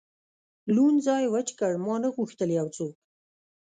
لوند ځای وچ کړ، ما نه غوښتل یو څوک.